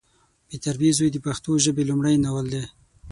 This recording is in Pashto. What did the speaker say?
بې تربیه زوی د پښتو ژبې لمړی ناول دی